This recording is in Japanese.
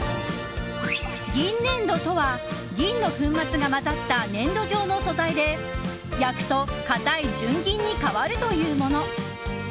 銀粘土とは、銀の粉末が混ざった粘土状の素材で焼くと、硬い純銀に変わるというもの。